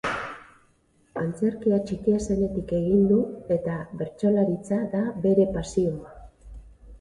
Antzerkia txikia zenetik egin du eta bertsolaritza da bere pasioa.